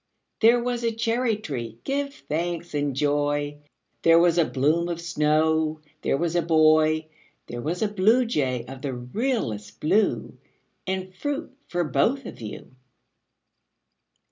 There was a cherry tree, give thanks and joy! There was a bloom of snow There was a boy There was a bluejay of the realest blue And fruit for both of you.